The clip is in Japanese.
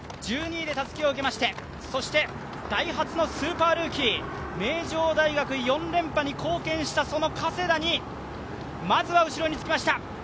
１２位でたすきを受けまして、ダイハツのスーパールーキー、名城大学４連覇に貢献したその加世田に、まずは後ろにつきました。